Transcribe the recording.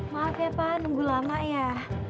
maaf ya pak nunggu lama ya